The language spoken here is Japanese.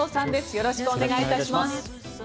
よろしくお願いします。